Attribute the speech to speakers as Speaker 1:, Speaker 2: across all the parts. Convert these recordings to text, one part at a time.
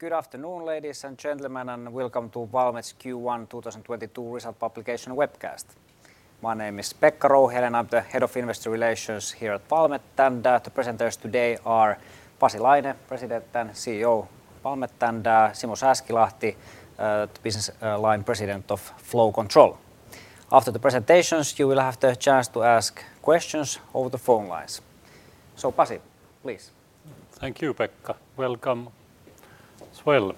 Speaker 1: Good afternoon, ladies and gentlemen, and welcome to Valmet's Q1 2022 Result Publication webcast. My name is Pekka Rouhiainen, and I'm the head of investor relations here at Valmet. The presenters today are Pasi Laine, President and CEO of Valmet, and Simo Sääskilahti, the Business Line President of Flow Control. After the presentations, you will have the chance to ask questions over the phone lines. Pasi, please.
Speaker 2: Thank you, Pekka. Welcome as well.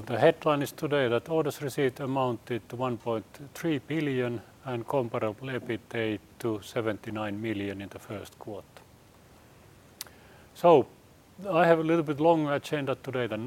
Speaker 2: The headline is today that orders received amounted to 1.3 billion and comparable EBITDA to EUR 79 million in the first quarter. I have a little bit longer agenda today than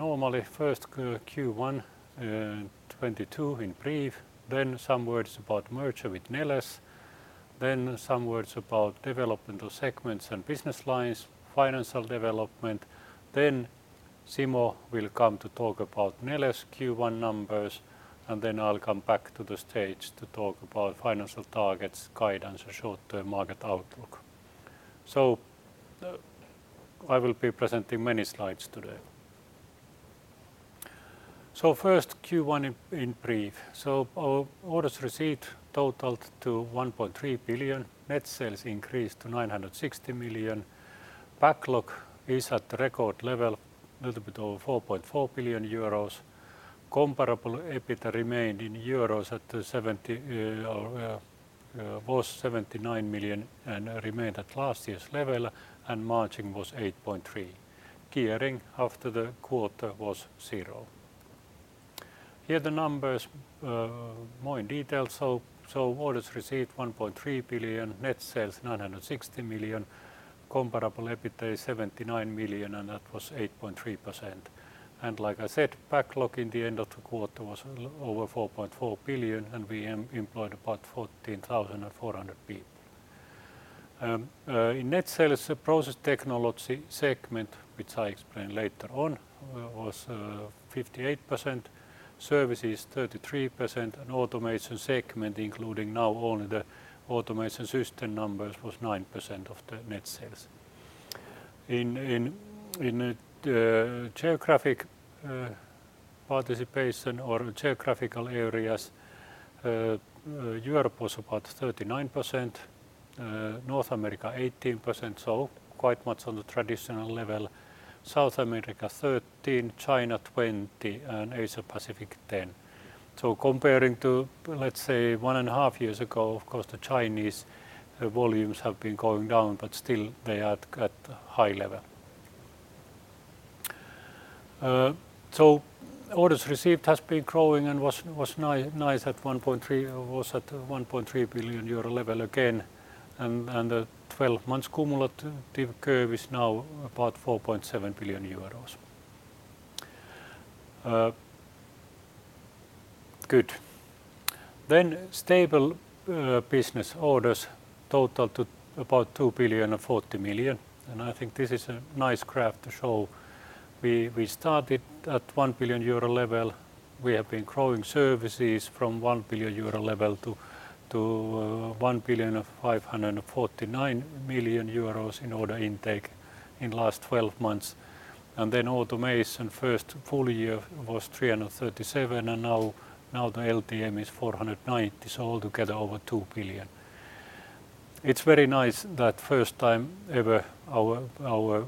Speaker 2: normally. First, Q1 2022 in brief, then some words about merger with Neles, then some words about development of segments and business lines, financial development. Simo will come to talk about Neles Q1 numbers, and then I'll come back to the stage to talk about financial targets, guidance, and short-term market outlook. I will be presenting many slides today. First Q1 in brief. Our orders received totaled to 1.3 billion. Net sales increased to 960 million. Backlog is at record level, a little bit over 4.4 billion euros. Comparable EBITDA remained at 79 million and remained at last year's level, and margin was 8.3%. Gearing after the quarter was 0. Here the numbers more in detail. Orders received 1.3 billion, net sales 960 million, comparable EBITDA 79 million, and that was 8.3%. Like I said, backlog in the end of the quarter was over 4.4 billion, and we employed about 14,400 people. In net sales Process Technologies segment, which I explain later on, was 58%, Services 33%, and Automation segment, including now only the Automation system numbers, was 9% of the net sales. In geographic participation or geographical areas, Europe was about 39%, North America 18%, so quite much on the traditional level. South America 13%, China 20%, and Asia Pacific 10%. Comparing to, let's say, one and a half years ago, of course, the Chinese volumes have been going down, but still they are at a high level. Orders received has been growing and was nice at 1.3 billion euro level again. The 12-month cumulative curve is now about 4.7 billion euros. Good. Services business orders totaled to about 2.04 billion, and I think this is a nice graph to show. We started at 1 billion euro level. We have been growing services from 1 billion euro level to 1.549 billion in order intake in last twelve months. Then Automation first full year was 337 million, and now the LTM is 490 million, so all together over 2 billion. It's very nice that first time ever our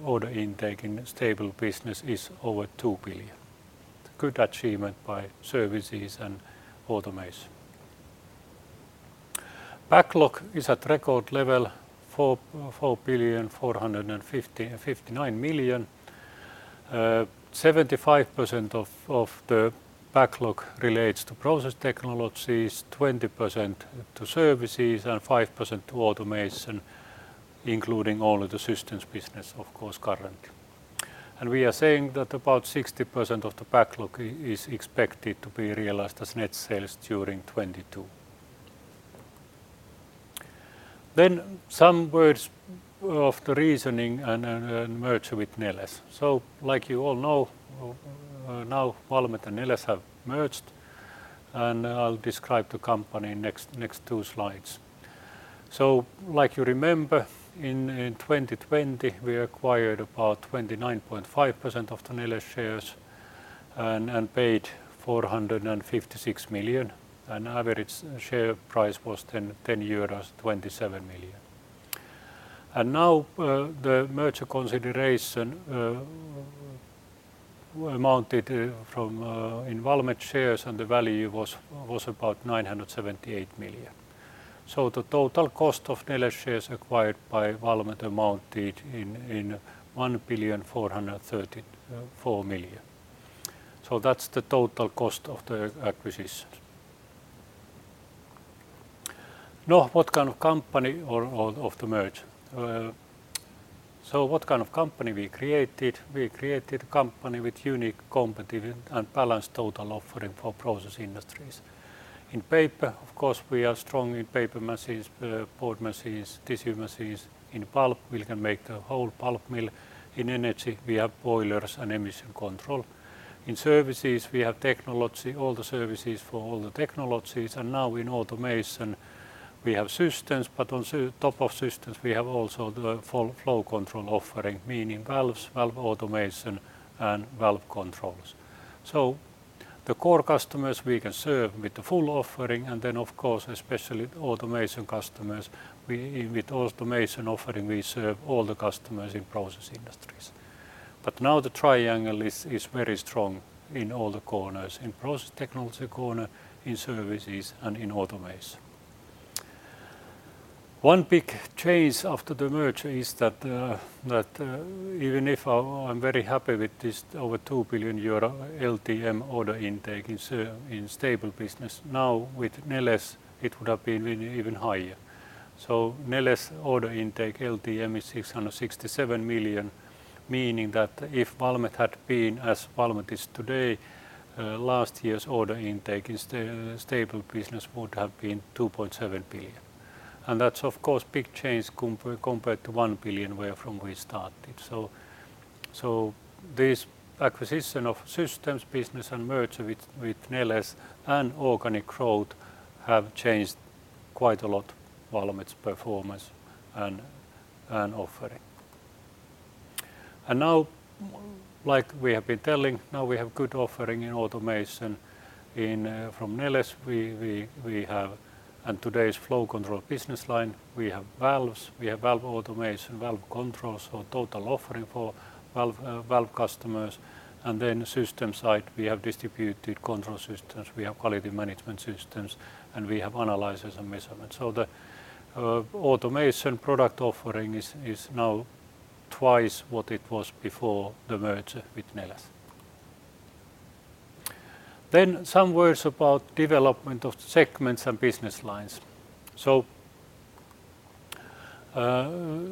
Speaker 2: order intake in stable business is over 2 billion. Good achievement by Services and Automation. Backlog is at record level, 4.459 billion. 75% of the backlog relates to Process Technologies, 20% to Services, and 5% to Automation, including all of the systems business of course currently. We are saying that about 60% of the backlog is expected to be realized as net sales during 2022. Some words on the reasoning and merger with Neles. Like you all know, now Valmet and Neles have merged, and I'll describe the company in the next two slides. Like you remember, in 2020 we acquired about 29.5% of the Neles shares and paid 456 million, and average share price was 10.27 euros. Now, the merger consideration in Valmet shares, and the value was about 978 million. The total cost of Neles shares acquired by Valmet amounted to 1,434 million. That's the total cost of the acquisition. Now what kind of company out of the merger? What kind of company we created? We created a company with unique competitive and balanced total offering for process industries. In Paper, of course, we are strong in paper machines, board machines, tissue machines. In Pulp, we can make a whole pulp mill. In Energy, we have boilers and emission control. In Services, we have technology, all the services for all the technologies. Now in Automation, we have systems, but on top of systems, we have also the Flow Control offering, meaning valves, valve automation and valve controls. The core customers we can serve with the full offering, and then of course, especially Automation customers, we with Automation offering, we serve all the customers in process industries. Now the triangle is very strong in all the corners, in Process Technologies corner, in Services and in Automation. One big change after the merger is that even if I'm very happy with this over 2 billion euro LTM order intake in stable business, now with Neles it would have been even higher. Neles order intake LTM is 667 million, meaning that if Valmet had been as Valmet is today, last year's order intake in stable business would have been 2.7 billion. That's of course big change compared to 1 billion where from we started. This acquisition of systems business and merger with Neles and organic growth have changed quite a lot Valmet's performance and offering. Now like we have been telling, now we have good offering in automation from Neles and today's Flow Control business line, we have valves, we have valve automation, valve controls or total offering for valve customers. On the system side we have Distributed Control Systems, we have Quality Management Systems, and we have analyzers and measurements. The automation product offering is now twice what it was before the merger with Neles. Some words about development of segments and business lines.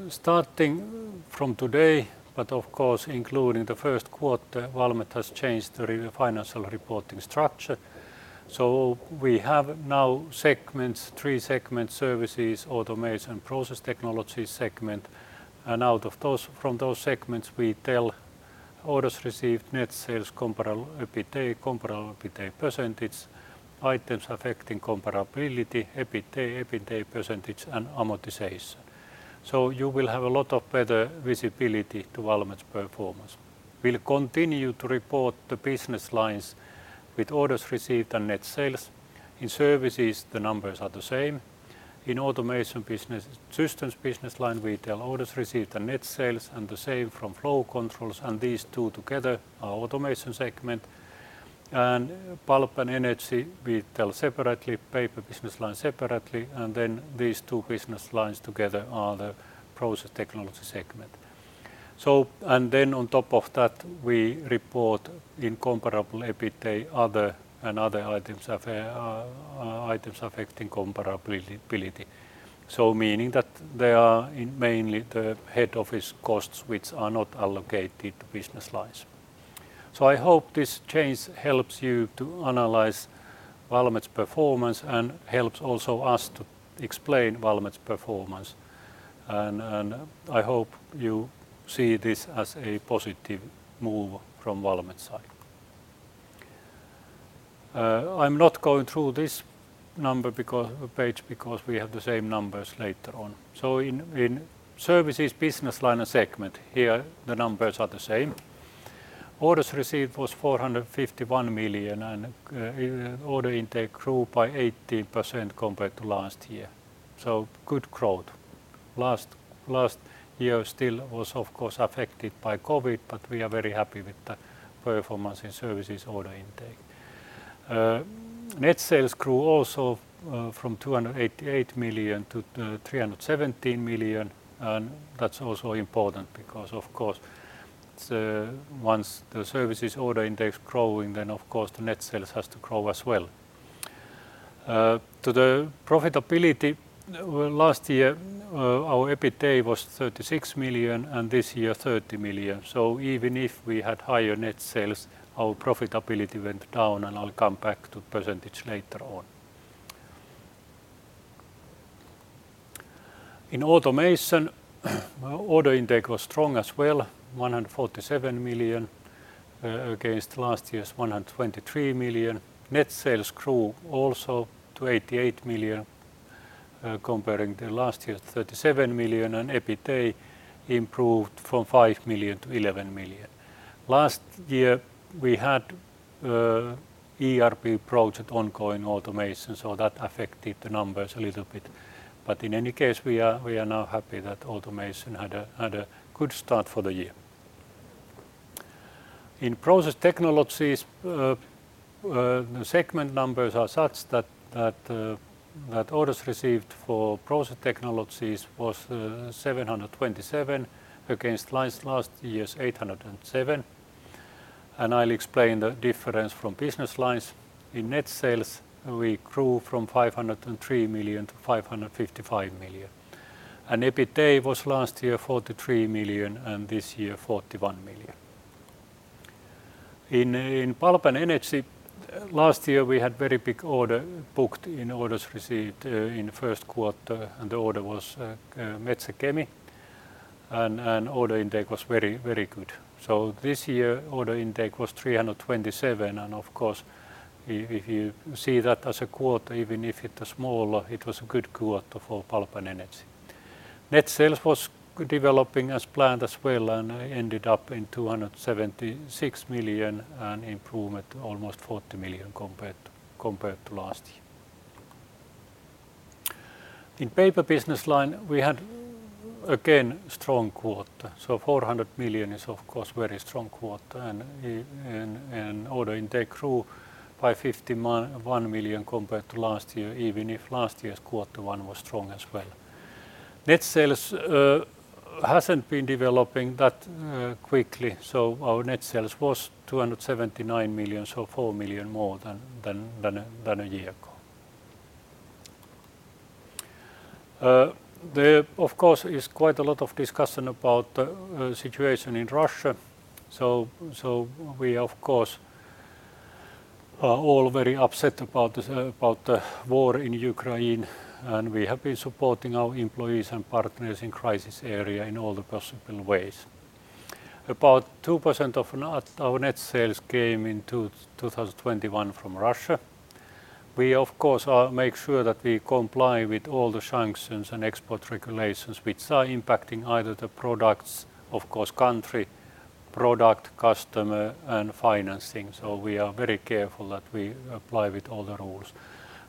Speaker 2: Starting from today, but of course, including the first quarter, Valmet has changed the financial reporting structure. We have now segments, three segments: Services, Automation, Process Technologies segment. From those segments, we tell orders received, net sales, comparable EBITDA, comparable EBITDA percentage, items affecting comparability, EBITDA percentage and amortization. You will have a lot better visibility to Valmet's performance. We'll continue to report the business lines with orders received and net sales. In Services, the numbers are the same. In Automation Systems business line, we tell orders received and net sales, and the same from Flow Control, and these two together are Automation segment. Pulp and Energy we tell separately, Paper business line separately, and then these two business lines together are the Process Technologies segment. And then on top of that, we report comparable EBITDA, other, and other items affecting comparability. Meaning that they are mainly the head office costs which are not allocated to business lines. I hope this change helps you to analyze Valmet's performance and helps also us to explain Valmet's performance. I hope you see this as a positive move from Valmet's side. I'm not going through this page because we have the same numbers later on. In services business line and segment here the numbers are the same. Orders received was 451 million, and order intake grew by 18% compared to last year. Good growth. Last year still was of course affected by COVID, but we are very happy with the performance in services order intake. Net sales grew also from 288 million to 317 million, and that's also important because of course, once the services order intake growing, then of course the net sales has to grow as well. To the profitability last year, our EBITDA was 36 million and this year 30 million. Even if we had higher net sales, our profitability went down, and I'll come back to percentage later on. In Automation, order intake was strong as well, 147 million against last year's 123 million. Net sales grew also to 88 million, comparing to last year's 37 million and EBITDA improved from 5 million to 11 million. Last year we had ERP project ongoing automation, so that affected the numbers a little bit. In any case we are now happy that Automation had a good start for the year. In Process Technologies, segment numbers are such that orders received for Process Technologies was 727 against last year's 807. I'll explain the difference from business lines. In net sales, we grew from 503 million to 555 million. EBITDA was last year 43 million and this year 41 million. In Pulp and Energy, last year we had very big order booked in orders received, in first quarter and the order was Metsä Fibre. Order intake was very good. This year order intake was 327 and, of course, if you see that as a quarter even if it's small, it was a good quarter for Pulp and Energy. Net sales was developing as planned as well, and ended up in 276 million, an improvement almost 40 million compared to last year. In Paper business line, we had again strong quarter. 400 million is of course very strong quarter and order intake grew by one million compared to last year even if last year's quarter one was strong as well. Net sales hasn't been developing that quickly, so our net sales was 279 million, so 4 million more than a year ago. There of course is quite a lot of discussion about situation in Russia, we of course are all very upset about the war in Ukraine, and we have been supporting our employees and partners in crisis area in all the possible ways. About 2% of our net sales came in 2021 from Russia. We of course are making sure that we comply with all the sanctions and export regulations which are impacting either the products, of course country, product, customer, and financing. We are very careful that we comply with all the rules.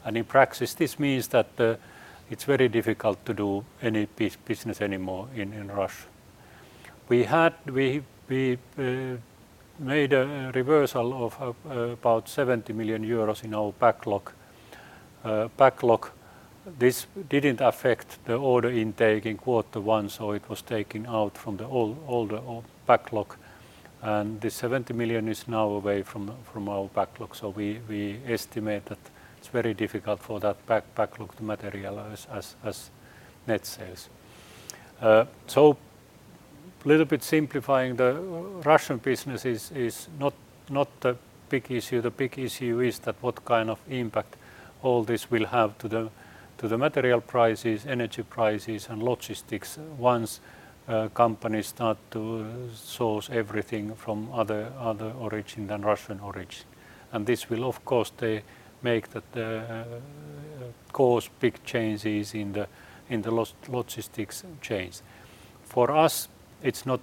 Speaker 2: In practice this means that it's very difficult to do any business anymore have the question and answer session,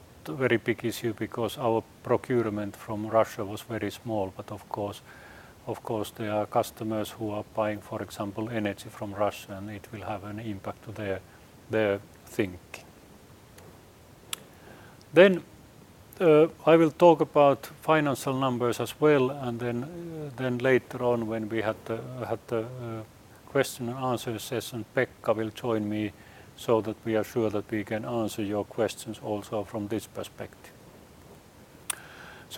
Speaker 2: Pekka will join me so that we are sure that we can answer your questions also from this perspective.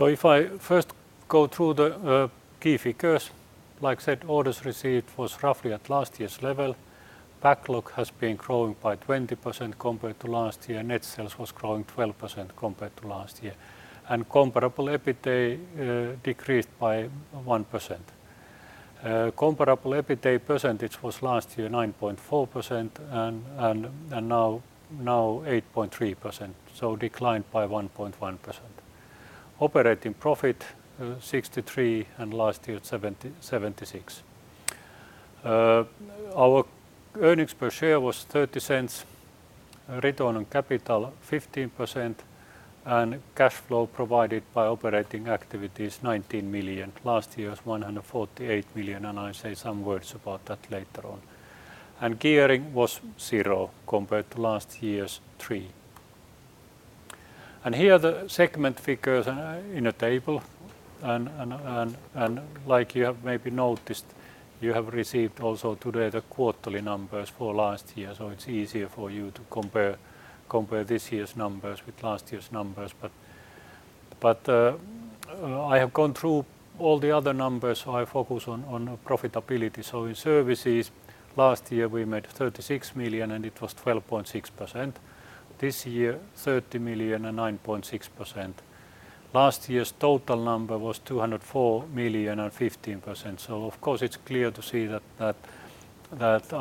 Speaker 2: If I first go through the key figures, like I said, orders received was roughly at last year's level. Backlog has been growing by 20% compared to last year. Net sales was growing 12% compared to last year. Comparable EBITDA decreased by 1%. Comparable EBITDA percentage was last year 9.4% and now 8.3%, so declined by 1.1%. Operating profit 63 million, and last year 76 million. Our earnings per share was 0.30. Return on capital 15%, and cash flow provided by operating activities 19 million. Last year's 148 million, and I say some words about that later on. Gearing was 0% compared to last year's 3%. Here the segment figures are in a table and like you have maybe noticed, you have received also today the quarterly numbers for last year, so it's easier for you to compare this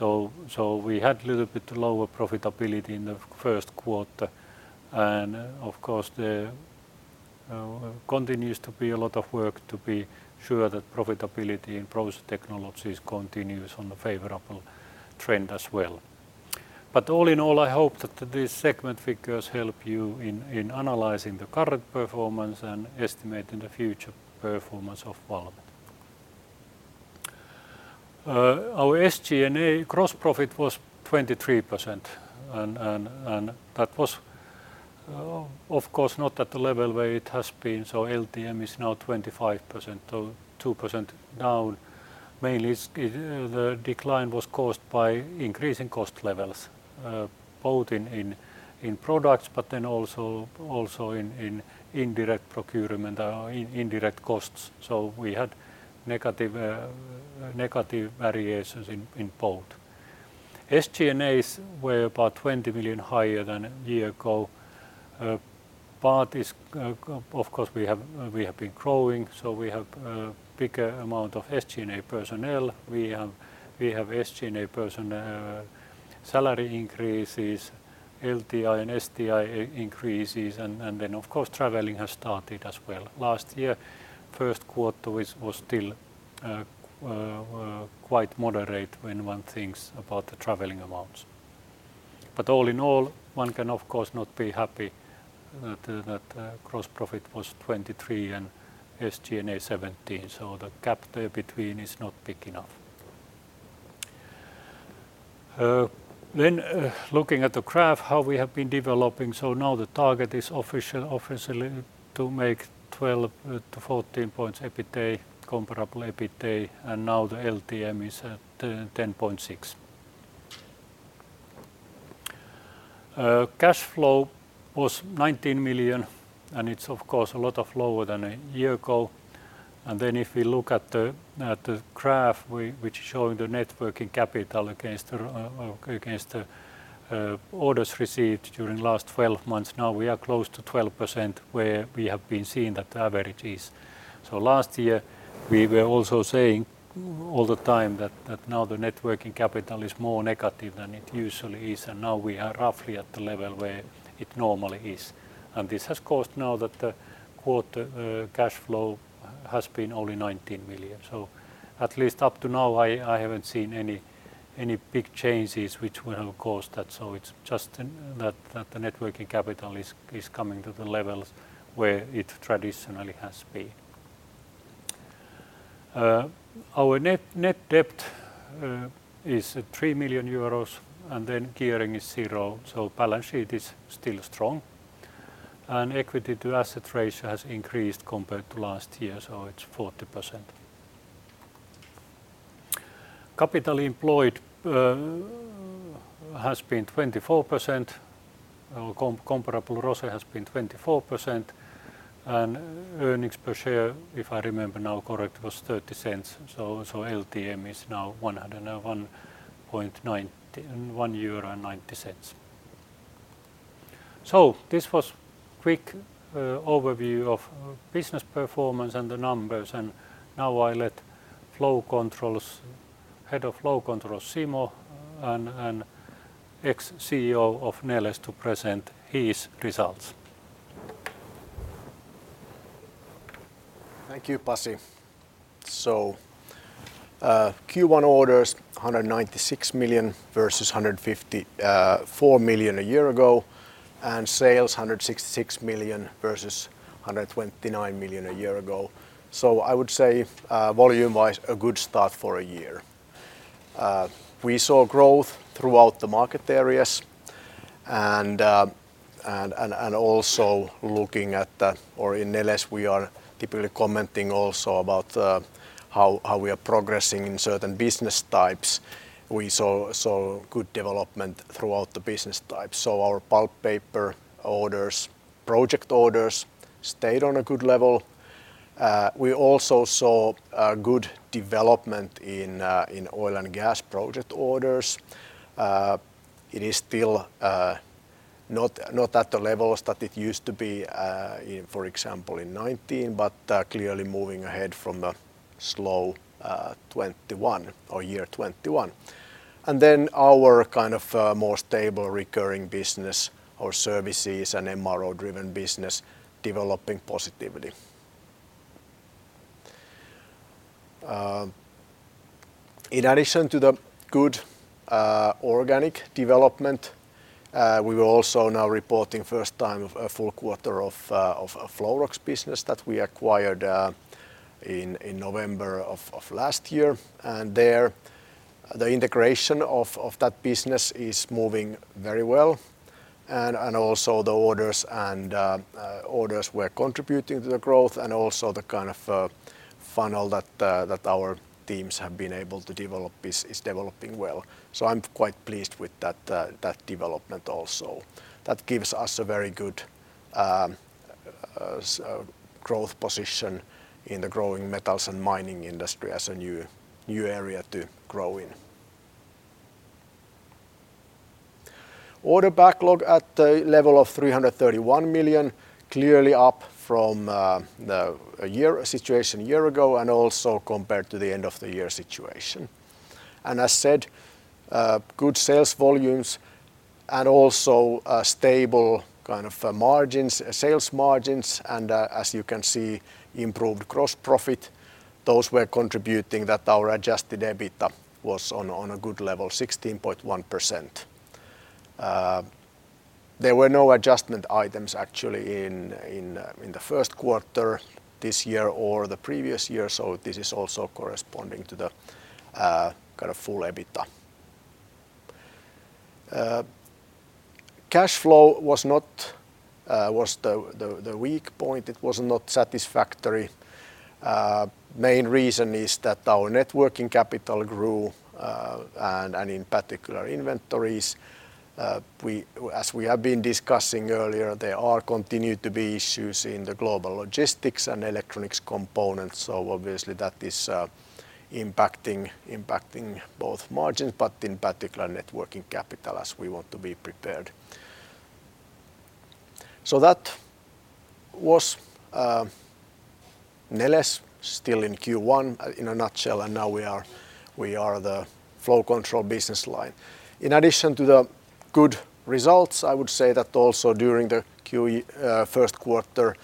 Speaker 2: year's numbers with last year's numbers. I have gone through all the other numbers, so I focus on profitability. In Services last year we made EUR 36 million, and it was 12.6%. This year, EUR 30 million and 9.6%. Last year's total number was EUR 204 million and 15%. Of course it's clear to see that variations in both. SG&As were about 20 million higher than a year ago. Of course we have been growing, so we have a bigger amount of SG&A personnel. We have SG&A personnel salary increases, LTI and STI increases, and then of course traveling has started as well. Last year first quarter was still quite moderate when one thinks about the traveling amounts. All in all, one can of course not be happy that gross profit was 23% and SG&A 17%, so the gap between is not big enough. Looking at the graph how we have been developing, now the target is officially to make 12%-14% EBITDA, comparable EBITDA, and now the LTM is at 10.6%. Cash flow was EUR 19 million, and it's of course a lot lower than a year ago. If we look at the graph which is showing the net working capital against the orders received during last 12 months, now we are close to 12% where we have been seeing that the average is. Last year, we were also saying all the time that now the net working capital is more negative than it usually is, and now we are roughly at the level where it normally is. This has caused now that the quarter cash flow has been only EUR 19 million. At least up to now, I haven't seen any big changes which will cause that. It's just that the net working capital is coming to the levels where it traditionally has been. Our net debt is at 3 million euro, and then gearing is 0%, so balance sheet is still strong. Equity to asset ratio has increased compared to last year, so it's 40%. Capital employed has been 24%. Comparable ROSE has been 24%. Earnings per share, if I remember correctly, was 0.30. LTM is now 101.91 euro. This was quick overview of business performance and the numbers, and now I let Flow Control's Head of Flow Control, Simo, and ex-CEO of Neles to present his results.
Speaker 3: Thank you, Pasi. Q1 orders, 196 million versus 154 million a year ago, and sales 166 million versus 129 million a year ago. I would say, volume-wise, a good start for a year. We saw growth throughout the market areas and also in Neles we are typically commenting also about how we are progressing in certain business types. We saw good development throughout the business types. Our pulp paper orders, project orders stayed on a good level. We also saw good development in oil and gas project orders. It is still not at the levels that it used to be in, for example, 2019, but clearly moving ahead from a slow 2021 or year 2021. Our kind of more stable recurring business or services and MRO-driven business developing positively. In addition to the good organic development, we were also now reporting first time a full quarter of Flowrox business that we acquired in November of last year. There, the integration of that business is moving very well and also the orders were contributing to the growth and also the kind of funnel that our teams have been able to develop is developing well. I'm quite pleased with that development also. That gives us a very good strong growth position in the growing metals and mining industry as a new area to grow in. Order backlog at a level of 331 million, clearly up from the year-ago situation a year ago and also compared to the end of the year situation. As said, good sales volumes and also stable margins, sales margins and, as you can see, improved gross profit. Those were contributing that our adjusted EBITDA was on a good level, 16.1%. There were no adjustment items actually in the first quarter this year or the previous year, so this is also corresponding to the full EBITDA. Cash flow was the weak point. It was not satisfactory. Main reason is that our net working capital grew, and in particular inventories. As we have been discussing earlier, there are continued to be issues in the global logistics and electronics components, so obviously that is impacting both margins, but in particular net working capital as we want to be prepared. That was Neles still in Q1 in a nutshell, and now we are the Flow Control business line. In addition to the good results, I would say that also during the first quarter,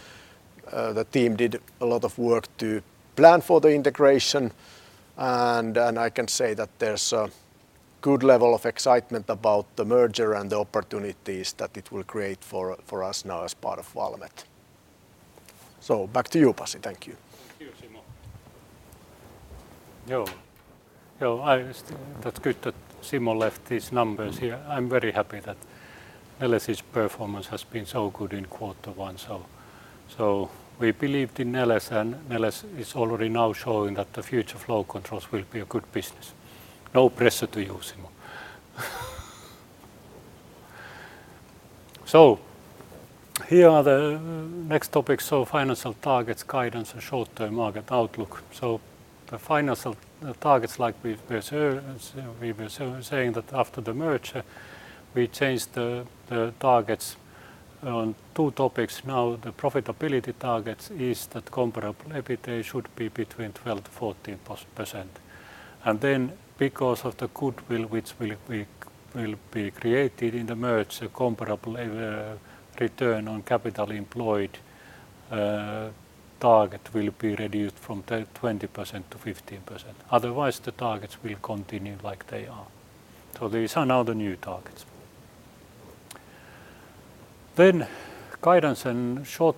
Speaker 3: the team did a lot of work to plan for the integration and I can say that there's a good level of excitement about the merger and the opportunities that it will create for us now as part of Valmet. Back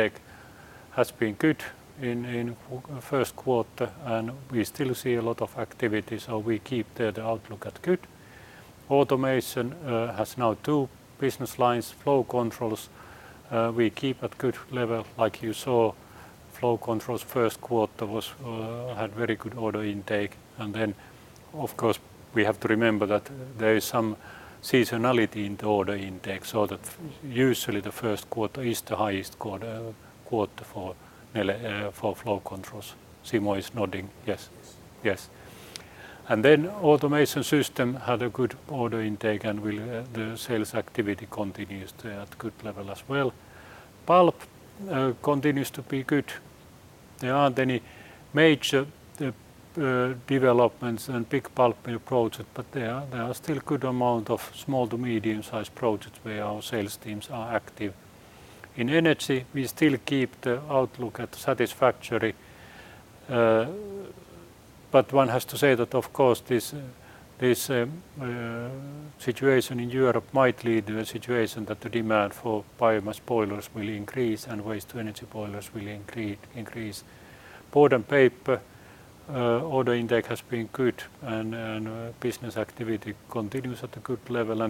Speaker 3: to you, Pasi. Thank you.
Speaker 2: Thank you, Simo. That's good that Simo left his numbers here. I'm very happy that Neles' performance has been so good in quarter one. We believed in Neles and Neles is already now showing that the future of Flow Control will be a good business. No pressure to you, Simo. Here are the next topics, financial targets, guidance, and short-term market outlook. The financial targets, we were saying that after the merger, we changed the targets on two topics. Now the profitability targets is that comparable EBITDA should be between 12%-14%. Because of the goodwill which will be created in the merger, a comparable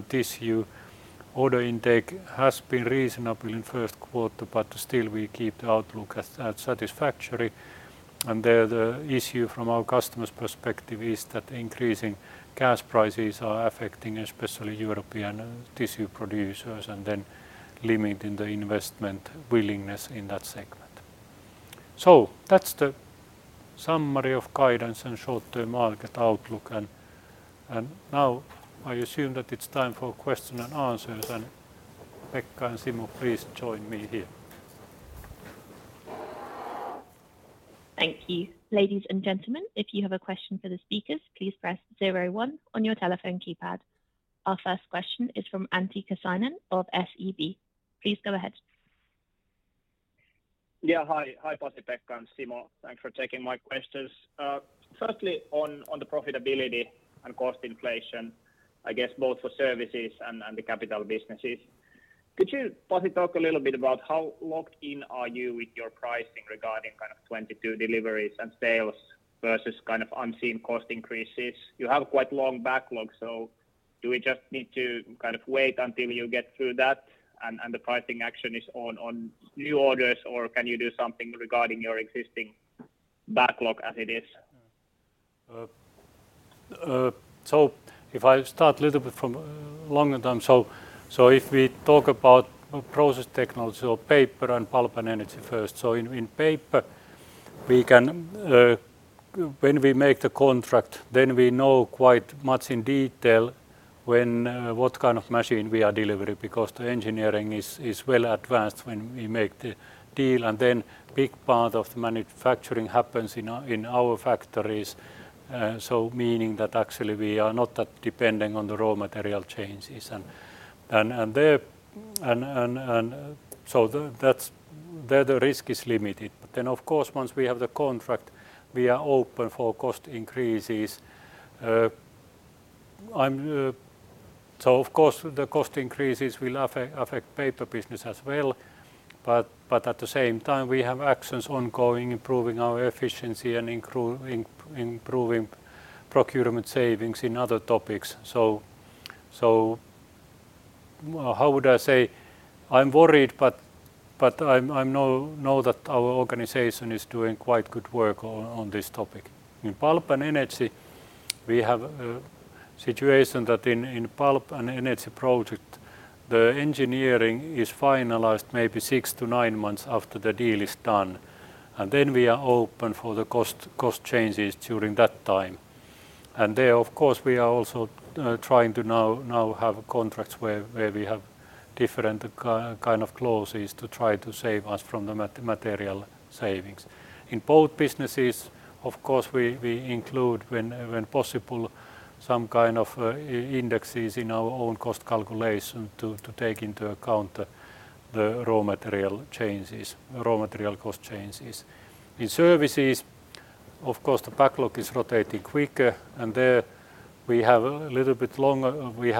Speaker 2: I assume that it's time for question and answers and Pekka and Simo, please join me here.
Speaker 4: Thank you. Ladies and gentlemen, if you have a question for the speakers, please press zero one on your telephone keypad. Our first question is from Antti Kansanen of SEB. Please go ahead.
Speaker 5: Yeah, hi. Hi Pasi, Pekka, and Simo. Thanks for taking my questions. Firstly on the profitability and cost inflation, I guess both for Services and the capital businesses, could you possibly talk a little bit about how locked in are you with your pricing regarding kind of 2022 deliveries and sales versus kind of unseen cost increases? You have quite long backlog, so do we just need to kind of wait until you get through that and the pricing action is on new orders or can you do something regarding your existing backlog as it is?
Speaker 2: If I start a little bit from longer term, if we talk about Process Technologies or Paper and Pulp and Energy first. In paper, we can, when we make the contract, then we know quite much in detail when, what kind of machine we are delivering because the engineering is well advanced when we make the deal. Then big part of the manufacturing happens in our factories. Meaning that actually we are not that depending on the raw material changes. There the risk is limited. Of course, once we have the contract, we are open for cost increases. Of course, the cost increases will affect Paper business as well. At the same time we have actions ongoing, improving our efficiency and improving procurement savings in other topics. I'm worried, but I know that our organization is doing quite good work on this topic. In Pulp and Energy, we have a situation that in Pulp and Energy project, the engineering is finalized maybe 6-9 months after the deal is done. Then we are open for the cost changes during that time. There, of course, we are also trying to now have contracts where we have different kind of clauses to try to save us from the material savings. In both businesses, of course, we include, when possible, some kind of indexes in our own cost calculation to take into account the raw material changes, raw material cost changes. In Services, of course, the backlog is rotating quicker, and there we have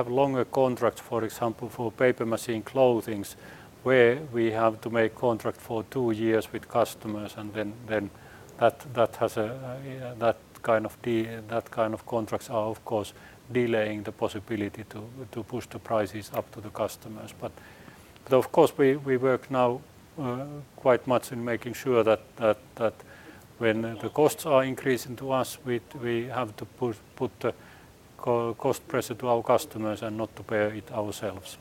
Speaker 2: longer contracts, for example, for paper machine clothing, where we have to make contract for two years with customers. That kind of contracts are of course delaying the possibility to push the prices up to the customers. Of course we work now quite much in making sure that when the costs are increasing to us, we have to put the cost pressure to our customers and not to bear it ourselves.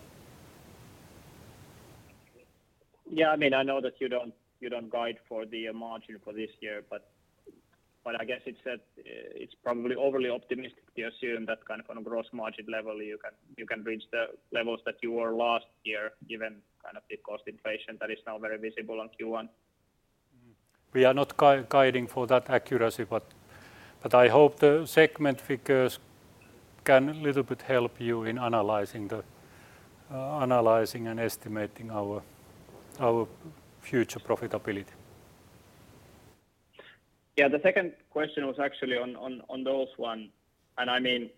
Speaker 5: Yeah. I mean, I know that you don't guide for the margin for this year, but I guess it's probably overly optimistic to assume that kind of on a gross margin level you can reach the levels that you were last year given kind of the cost inflation that is now very visible on Q1.
Speaker 2: We are not guiding for that accuracy, but I hope the segment figures can a little bit help you in analyzing and estimating our future profitability.
Speaker 5: Yeah. The second question was actually on those one, and I mean,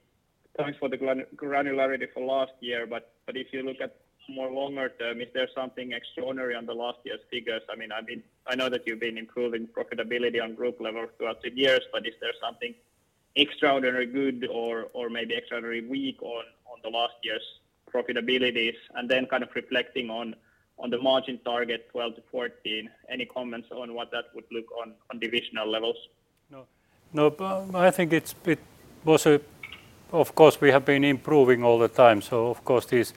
Speaker 5: thanks for the granularity for last year, but if you look at more longer term, is there something extraordinary on the last year's figures? I mean, I know that you've been improving profitability on group level throughout the years, but is there something extraordinary good or maybe extraordinary weak on the last year's profitabilities? Kind of reflecting on the margin target 12%-14%, any comments on what that would look like on divisional levels?
Speaker 2: Of course, we have been improving all the time. These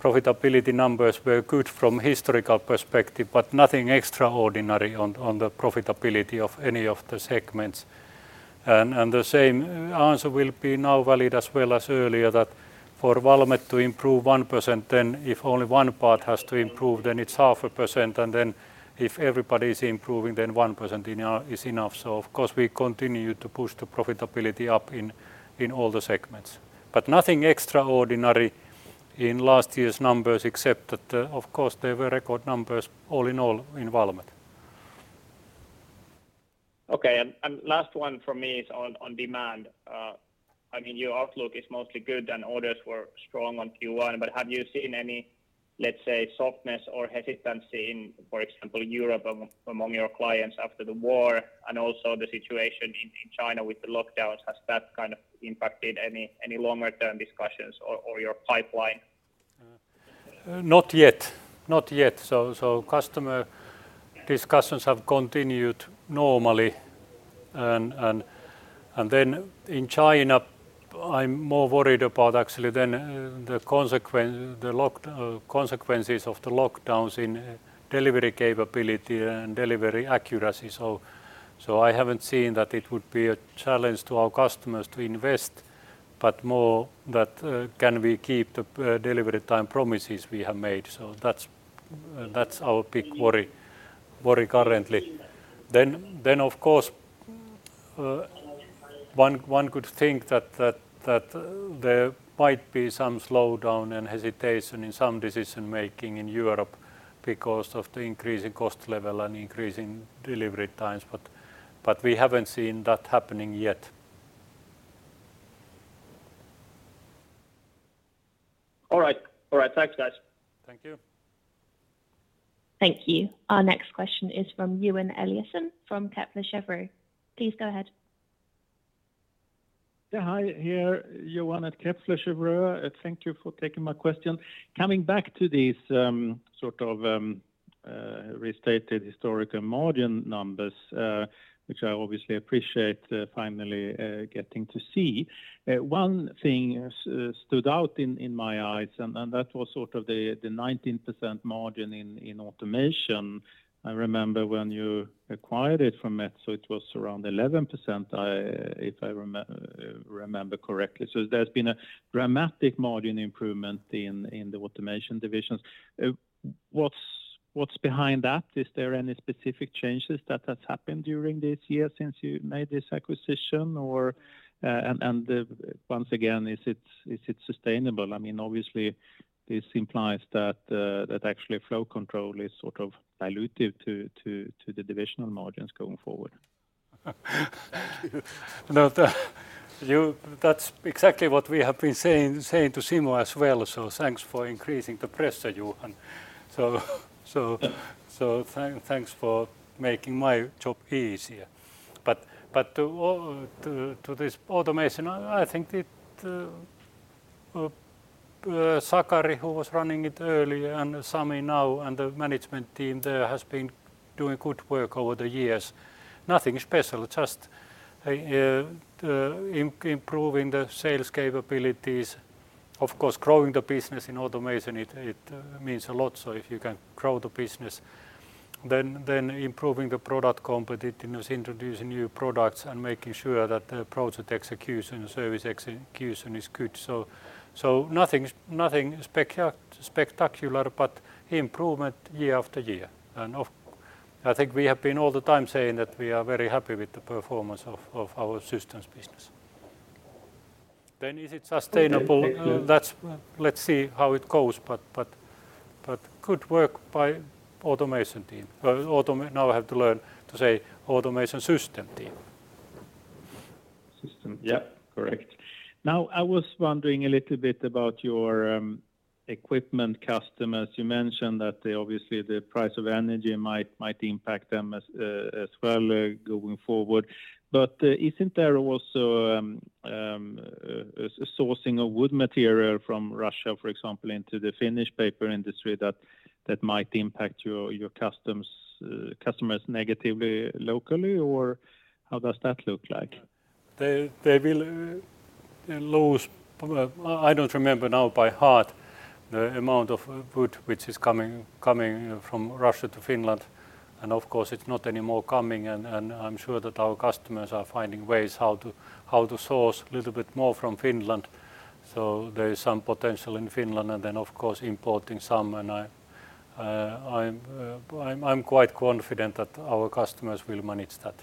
Speaker 2: profitability numbers were good from historical perspective, but nothing extraordinary on the profitability of any of the segments. The same answer will be now valid as well as earlier that for Valmet to improve 1%, then if only one part has to improve, then it's 0.5%, and then if everybody's improving, then 1% is enough. We continue to push the profitability up in all the segments. Nothing extraordinary in last year's numbers except that, of course, they were record numbers all in all in Valmet.
Speaker 5: Okay. Last one from me is on demand. I mean, your outlook is mostly good, and orders were strong in Q1, but have you seen any, let's say, softness or hesitancy in, for example, Europe among your clients after the war and also the situation in China with the lockdowns? Has that kind of impacted any longer term discussions or your pipeline?
Speaker 2: Not yet. Not yet. Customer discussions have continued normally and then in China I'm more worried about actually then the consequences of the lockdowns in delivery capability and delivery accuracy. I haven't seen that it would be a challenge to our customers to invest, but more that can we keep the delivery time promises we have made. That's our big worry currently. Of course one could think that there might be some slowdown and hesitation in some decision-making in Europe because of the increasing cost level and increasing delivery times, but we haven't seen that happening yet.
Speaker 5: All right. Thanks, guys.
Speaker 2: Thank you.
Speaker 4: Thank you. Our next question is from Johan Eliason from Kepler Cheuvreux. Please go ahead.
Speaker 6: Yeah, hi, here Johan Eliason at Kepler Cheuvreux. Thank you for taking my question. Coming back to these sort of restated historical margin numbers, which I obviously appreciate finally getting to see. One thing has stood out in my eyes and that was sort of the 19% margin in Automation. I remember when you acquired it from Metso it was around 11%, if I remember correctly. There's been a dramatic margin improvement in the Automation divisions. What's behind that? Is there any specific changes that has happened during this year since you made this acquisition? Once again, is it sustainable? I mean, obviously this implies that actually Flow Control is sort of dilutive to the divisional margins going forward.
Speaker 2: No, that's exactly what we have been saying to Simo as well, so thanks for increasing the pressure, Johan. So thanks for making my job easier. But to all this Automation, I think it's Sakari, who was running it earlier, and Sami now, and the management team there has been doing good work over the years. Nothing special, just improving the sales capabilities. Of course, growing the business in Automation, it means a lot. So if you can grow the business, then improving the product competitiveness, introducing new products, and making sure that the product execution and service execution is good. So nothing spectacular, but improvement year after year. I think we have been all the time saying that we are very happy with the performance of our systems business. Is it sustainable?
Speaker 6: Okay. Thank you.
Speaker 2: That's. Let's see how it goes, but good work by Automation team. Now I have to learn to say automation system team.
Speaker 6: Now, I was wondering a little bit about your equipment customers. You mentioned that obviously the price of energy might impact them as well going forward. Isn't there also a sourcing of wood material from Russia, for example, into the Finnish paper industry that might impact your customers negatively locally? Or how does that look like?
Speaker 2: I don't remember now by heart the amount of wood which is coming from Russia to Finland, and of course it's not anymore coming, and I'm sure that our customers are finding ways how to source a little bit more from Finland. There is some potential in Finland and then of course importing some, and I'm quite confident that our customers will manage that.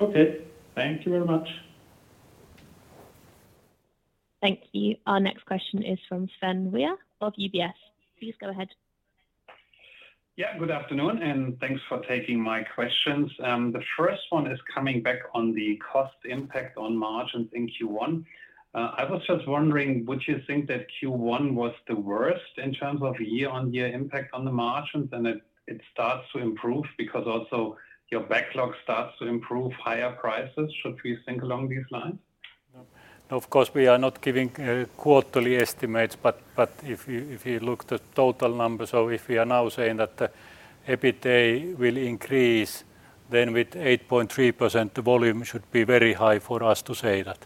Speaker 6: Okay. Thank you very much.
Speaker 4: Thank you. Our next question is from Sven Weier of UBS. Please go ahead.
Speaker 7: Yeah, good afternoon, and thanks for taking my questions. The first one is coming back on the cost impact on margins in Q1. I was just wondering, would you think that Q1 was the worst in terms of year-on-year impact on the margins, and it starts to improve because also your backlog starts to improve higher prices? Should we think along these lines?
Speaker 2: No, of course, we are not giving quarterly estimates, but if you look at the total numbers, so if we are now saying that the EBITDA will increase, then with 8.3%, the volume should be very high for us to say that.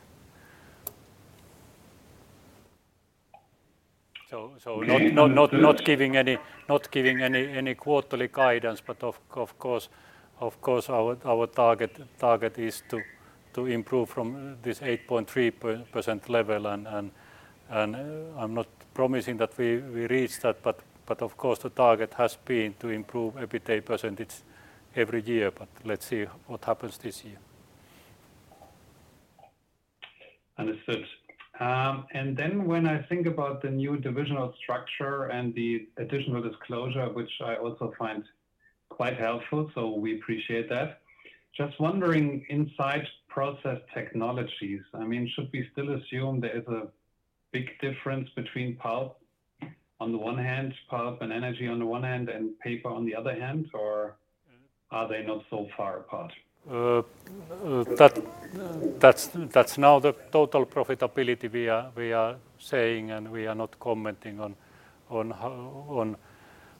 Speaker 2: So not giving any quarterly guidance, but of course our target is to improve from this 8.3% level and I'm not promising that we reach that, but of course the target has been to improve EBITDA percentage every year. Let's see what happens this year.
Speaker 7: Understood. When I think about the new divisional structure and the additional disclosure, which I also find quite helpful, so we appreciate that. Just wondering inside Process Technologies, I mean, should we still assume there is a big difference between Pulp on the one hand, Pulp and Energy on the one hand, and Paper on the other hand, or are they not so far apart?
Speaker 2: That's now the total profitability we are saying, and we are not commenting on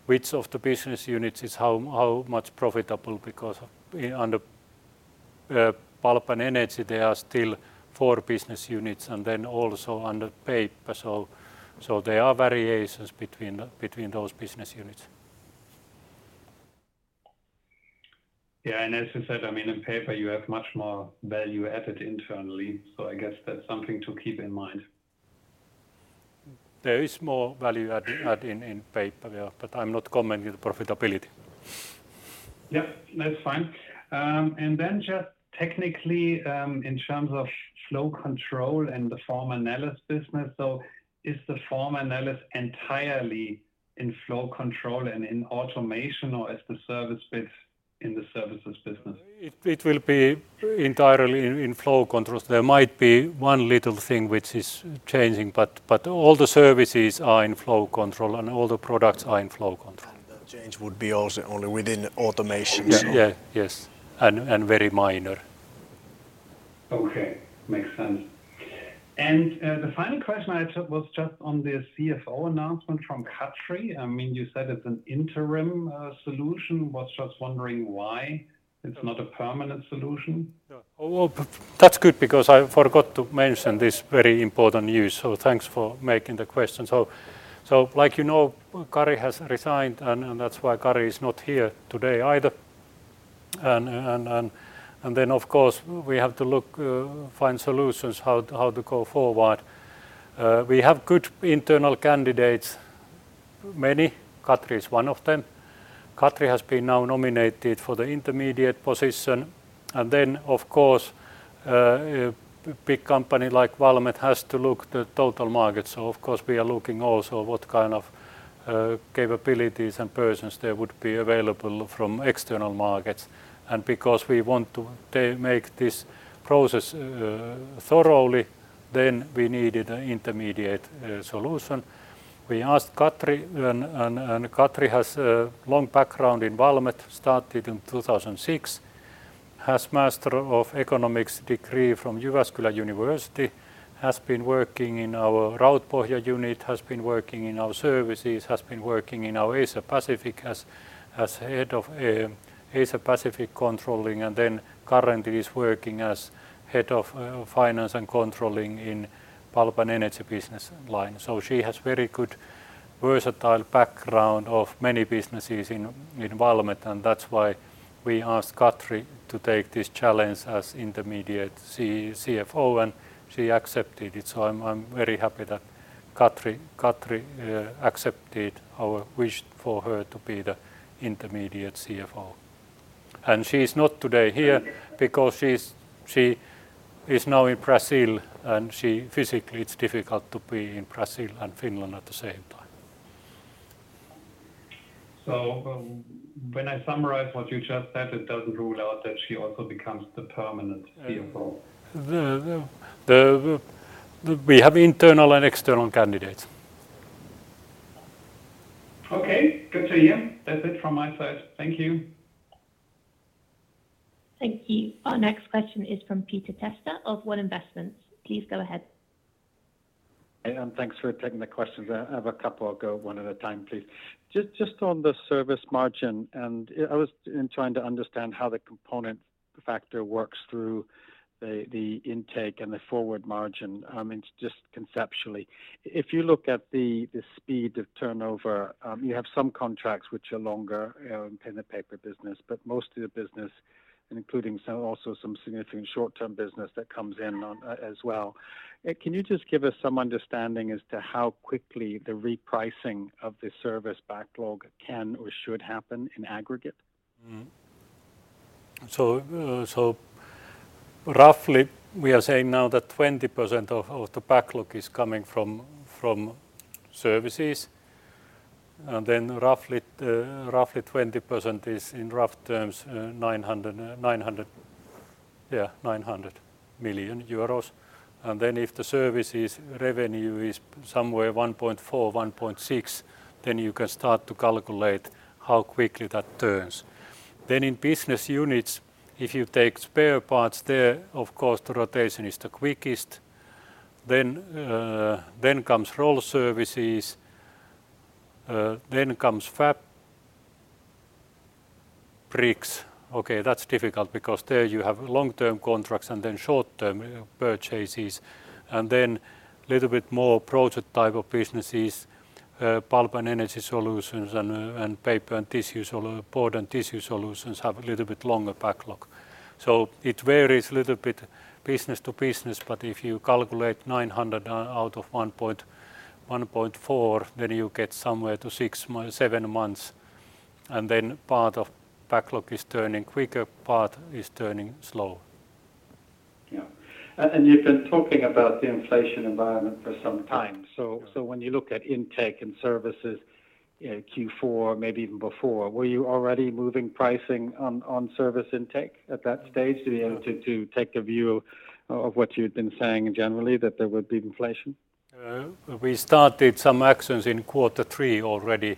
Speaker 2: which of the business units is how much profitable because under Pulp and Energy there are still four business units, and then also under Paper. There are variations between those business units.
Speaker 7: Yeah. As you said, I mean, in Paper, you have much more value added internally, so I guess that's something to keep in mind.
Speaker 2: There is more value added in Paper. Yeah. But I'm not commenting on the profitability.
Speaker 7: Yeah. That's fine. Just technically, in terms of Flow Control and the former Neles business, is the former Neles entirely in Flow Control and in Automation, or is the service bit in the Services business?
Speaker 2: It will be entirely in Flow Control. There might be one little thing which is changing, but all the services are in Flow Control and all the products are in Flow Control.
Speaker 7: Change would be also only within Automation, so
Speaker 2: Yeah, yeah. Yes, and very minor.
Speaker 7: Okay. Makes sense. The final question I had was just on the CFO announcement from Katri. I mean, you said it's an interim solution. Was just wondering why it's not a permanent solution.
Speaker 2: Yeah. Well, that's good because I forgot to mention this very important news, so thanks for asking the question. Like you know, Kari has resigned and that's why Kari is not here today either. Then of course we have to look to find solutions how to go forward. We have good internal candidates, many. Katri is one of them. Katri has been now nominated for the interim position. A big company like Valmet has to look at the total market. Of course we are looking also at what kind of capabilities and persons there would be available from external markets. Because we want to make this process thoroughly, then we needed an interim solution. We asked Katri, and Katri has a long background in Valmet, started in 2006. She has a Master of Economics degree from Jyväskylä University. She has been working in our Rautpohja unit, has been working in our services, has been working in our Asia-Pacific as head of Asia-Pacific Controlling, and then currently is working as Head of Finance and Controlling in Pulp and Energy business line. She has very good versatile background of many businesses in Valmet, and that's why we asked Katri to take this challenge as interim CFO, and she accepted it. I'm very happy that Katri accepted our wish for her to be the interim CFO. She's not here today because she is now in Brazil, and physically it's difficult to be in Brazil and Finland at the same time.
Speaker 7: When I summarize what you just said, it doesn't rule out that she also becomes the permanent CFO.
Speaker 2: We have internal and external candidates.
Speaker 7: Okay. Good to hear. That's it from my side. Thank you.
Speaker 4: Thank you. Our next question is from Peter Testa of One Investments. Please go ahead.
Speaker 8: Hey, thanks for taking the questions. I have a couple. I'll go one at a time, please. Just on the service margin, and I was trying to understand how the component factor works through the intake and the forward margin, just conceptually. If you look at the speed of turnover, you have some contracts which are longer, you know, in the paper business, but most of the business including some significant short-term business that comes in on, as well. Can you just give us some understanding as to how quickly the repricing of the service backlog can or should happen in aggregate?
Speaker 2: Roughly we are saying now that 20% of the backlog is coming from Services. Roughly 20% is in rough terms 900 million euros. If the Services revenue is somewhere 1.4 billion-1.6 billion, then you can start to calculate how quickly that turns. In business units, if you take spare parts there, of course the rotation is the quickest. Then comes roll services, then comes fabrics. Bricks, okay, that's difficult because there you have long-term contracts and then short-term purchases. Little bit more product type of businesses, Pulp and Energy solutions and board and tissue solutions have a little bit longer backlog. It varies a little bit business to business, but if you calculate 900 out of 1.1-1.4, then you get somewhere to 6-7 months, and then part of backlog is turning quicker, part is turning slow.
Speaker 8: Yeah. You've been talking about the inflation environment for some time. When you look at intake and services, you know, Q4, maybe even before, were you already moving pricing on service intake at that stage to be able to take a view of what you'd been saying generally that there would be inflation?
Speaker 2: We started some actions in quarter three already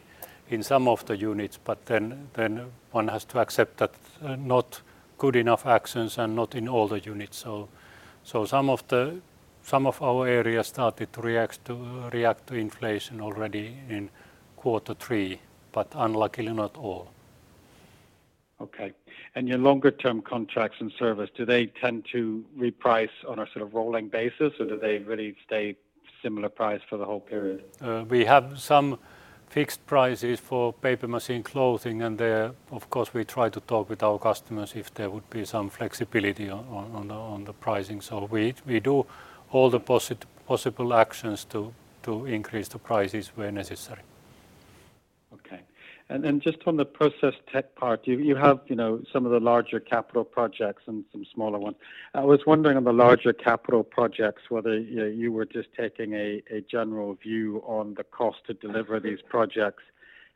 Speaker 2: in some of the units, but then one has to accept that not good enough actions and not in all the units. Some of our areas started to react to inflation already in quarter three, but unluckily not all.
Speaker 8: Okay. Your longer term contracts and service, do they tend to reprice on a sort of rolling basis, or do they really stay similar price for the whole period?
Speaker 2: We have some fixed prices for paper machine clothing, and there of course we try to talk with our customers if there would be some flexibility on the pricing. We do all the possible actions to increase the prices where necessary.
Speaker 8: Okay. Just on the Process Technologies part, you have, you know, some of the larger capital projects and some smaller ones. I was wondering on the larger capital projects, whether you were just taking a general view on the cost to deliver these projects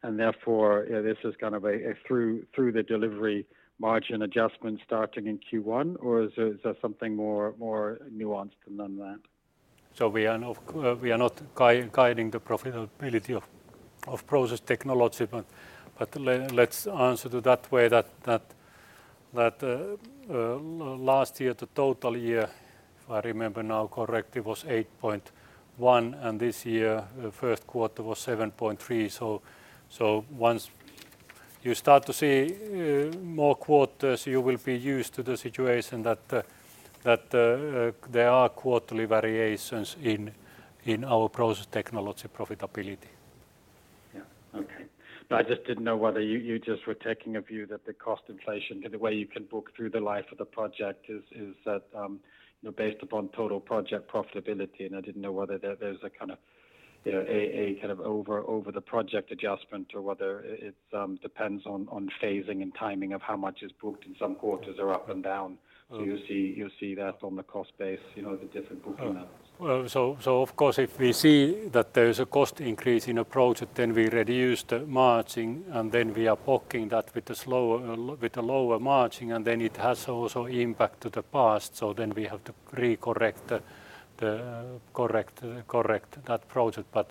Speaker 8: and therefore this is kind of a through the delivery margin adjustment starting in Q1, or is there something more nuanced than that?
Speaker 2: We are not guiding the profitability of Process Technologies, but let's answer it that way that last year, the full year, if I remember correctly, was 8.1%, and this year, the first quarter was 7.3%. Once you start to see more quarters, you will be used to the situation that there are quarterly variations in our Process Technologies profitability.
Speaker 8: Yeah. Okay. I just didn't know whether you just were taking a view that the cost inflation, the way you can book through the life of the project is that you know based upon total project profitability. I didn't know whether there's a kind of you know a kind of over the project adjustment or whether it depends on phasing and timing of how much is booked in some quarters are up and down.
Speaker 2: Oh.
Speaker 8: You see that on the cost base, you know, the different booking levels.
Speaker 2: Of course, if we see that there's a cost increase in a project, then we reduce the margin, and then we are booking that with the lower margin, and then it also has impact to the P&L. Then we have to re-correct that project.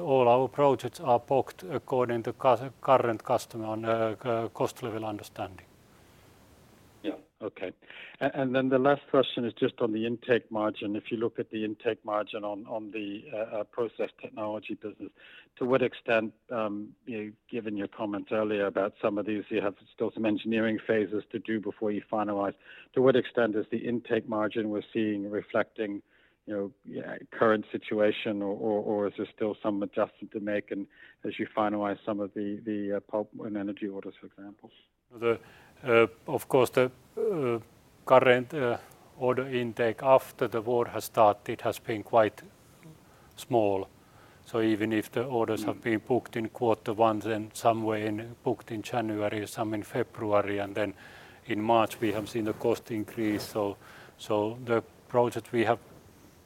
Speaker 2: All our projects are booked according to current customer on a cost level understanding.
Speaker 8: The last question is just on the intake margin. If you look at the intake margin on the Process Technologies business, to what extent, you know, given your comments earlier about some of these, you have still some engineering phases to do before you finalize, is the intake margin we're seeing reflecting, you know, current situation or is there still some adjustment to make and as you finalize some of the Pulp and Energy orders, for example?
Speaker 2: Of course, the current order intake after the war has started has been quite small. Even if the orders-
Speaker 8: Mm.
Speaker 2: Have been booked in quarter one, then some were booked in January, some in February, and then in March we have seen the cost increase. The project we have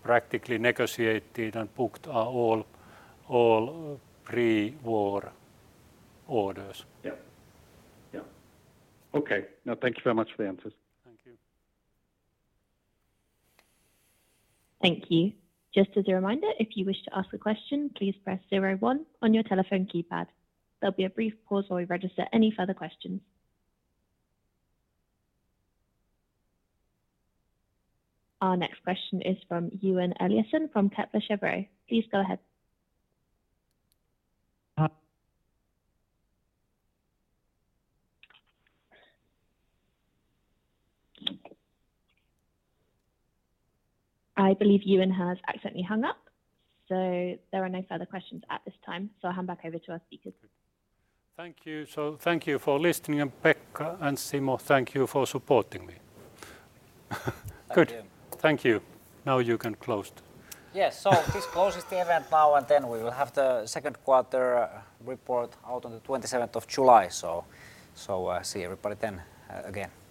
Speaker 2: practically negotiated and booked are all pre-war orders.
Speaker 8: Yeah. Okay. No, thank you very much for the answers.
Speaker 2: Thank you.
Speaker 4: Thank you. Just as a reminder, if you wish to ask a question, please press zero one on your telephone keypad. There'll be a brief pause while we register any further questions. Our next question is from Johan Eliason from Kepler Cheuvreux. Please go ahead. I believe Johan has accidentally hung up, so there are no further questions at this time, so I'll hand back over to our speakers.
Speaker 2: Thank you. Thank you for listening, and Pekka and Simo, thank you for supporting me. Good.
Speaker 1: Thank you.
Speaker 2: Thank you. Now you can close.
Speaker 1: Yes. This closes the event now, and then we will have the second quarter report out on the twenty-seventh of July. I'll see everybody then, again.